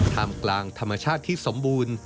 กลางธรรมชาติที่สมบูรณ์